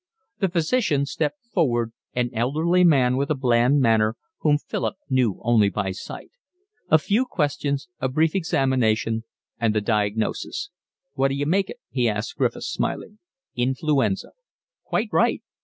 The physician stepped forward, an elderly man with a bland manner, whom Philip knew only by sight. A few questions, a brief examination, and the diagnosis. "What d'you make it?" he asked Griffiths, smiling. "Influenza." "Quite right."